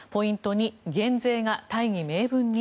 ２減税が大義名分に？